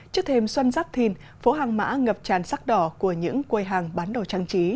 trước thêm xuân giáp thìn phố hàng mã ngập tràn sắc đỏ của những quầy hàng bán đồ trang trí